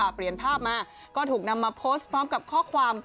เปลี่ยนภาพมาก็ถูกนำมาโพสต์พร้อมกับข้อความ